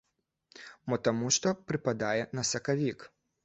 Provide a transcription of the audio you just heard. Мо таму што прыпадае на сакавік.